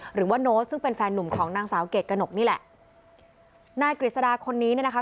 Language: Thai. หรือว่าโน้ตซึ่งเป็นแฟนหนุ่มของนางสาวเกรดกระหนกนี่แหละนายกฤษฎาคนนี้เนี่ยนะคะ